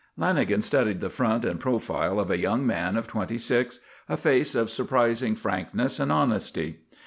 Lanagan studied the front and profile of a young man of twenty six, a face of surprising frankness and honesty.